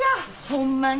ホンマに。